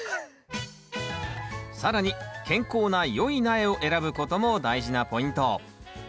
更に健康なよい苗を選ぶことも大事なポイント。